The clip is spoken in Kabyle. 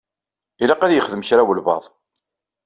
Ilaq ad yexdem kra walebɛaḍ.